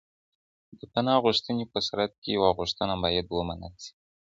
د پناه غوښتنې په صورت کي يې غوښتنه بايد ومنل سي.